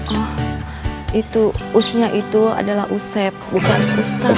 oh itu us nya itu adalah usep bukan ustadz